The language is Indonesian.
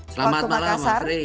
selamat malam mbak kasar